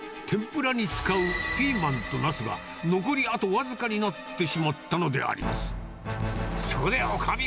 天ぷらに使うピーマンとなすが、残りあと僅かになってしまったのであります。